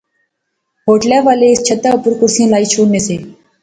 ہوٹلے والے اس چھتے اوپر کرسیاں لائی شوڑنے سے